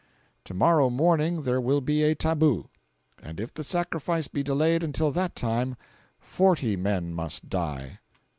To morrow morning there will be a tabu, and, if the sacrifice be delayed until that time, forty men must die.